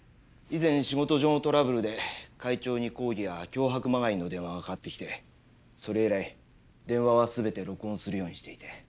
以前仕事上のトラブルで会長に抗議や脅迫まがいの電話がかかってきてそれ以来電話は全て録音するようにしていて。